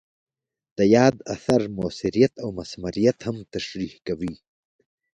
د یاد اثر مؤثریت او مثمریت هم تشریح کوي.